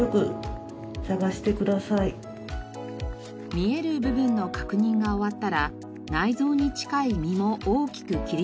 見える部分の確認が終わったら内臓に近い身も大きく切り取ります。